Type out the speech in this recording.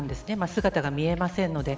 姿が見えませんので。